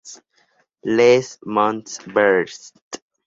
Les Monts-Verts